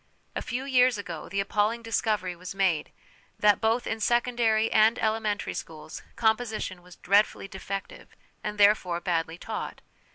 A few years ago the appalling discovery was made that, both in secondary and elementary schools, 'composition' was dreadfully defective, and, therefore, badly taught.